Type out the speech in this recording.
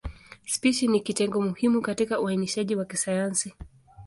Spishi ni kitengo muhimu katika uainishaji wa kisayansi.